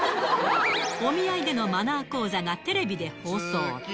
お見合いでのマナー講座がテレビで放送。